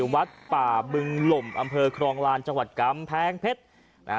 วัดป่าบึงหล่มอำเภอครองลานจังหวัดกำแพงเพชรนะฮะ